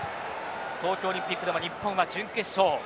東京オリンピックでも日本は準決勝。